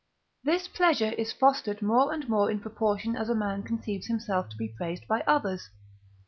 This pleasure is fostered more and more, in proportion as a man conceives himself to be praised by others.